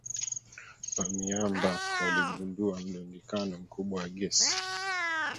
wa miamba waligundua mlundikano mkubwa wa gesi